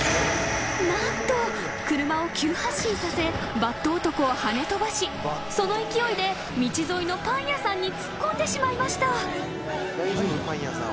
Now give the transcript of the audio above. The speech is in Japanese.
［何と車を急発進させバット男をはね飛ばしその勢いで道沿いのパン屋さんに突っ込んでしまいました］